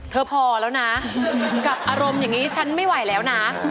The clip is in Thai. พอแล้วนะกับอารมณ์อย่างนี้ฉันไม่ไหวแล้วนะ